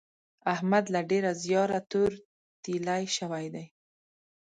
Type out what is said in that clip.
احمد له ډېره زیاره تور تېيلی شوی دی.